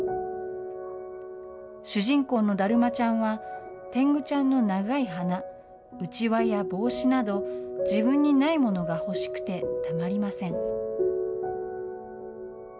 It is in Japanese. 主人公のだるまちゃんは、てんぐちゃんの長い鼻、うちわや帽子など、自分にないものが欲しくてたまりません。